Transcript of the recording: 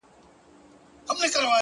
o باد را الوتی ـ له شبِ ستان دی ـ